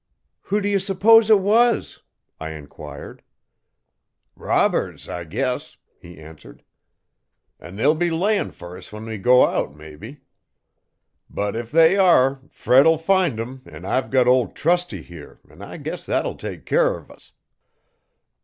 'Who do you suppose it was?' I enquired. 'Robbers, I guess,' he answered, 'an' they'll be layin' fer us when we go out, mebbe; but, if they are, Fred'll find 'em an' I've got Ol' Trusty here 'n' I guess thet'll take care uv us.'